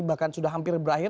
bahkan sudah hampir berakhir